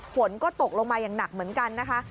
ฝนก็ตกลงมาอย่างหนักเหมือนกันนะคะ